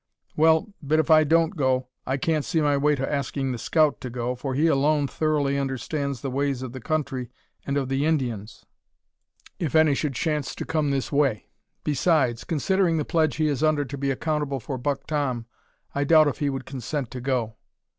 "Well, but if I don't go I can't see my way to asking the scout to go, for he alone thoroughly understands the ways of the country and of the Indians if any should chance to come this way. Besides, considering the pledge he is under to be accountable for Buck Tom, I doubt if he would consent to go."